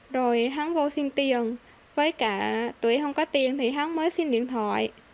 rồi hắn vô xin tiền với cả tụi em không có tiền thì hắn mới xin điện thoại